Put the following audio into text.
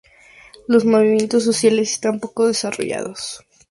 Los movimientos sociales están poco desarrollados.